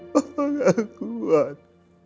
papa gak kuat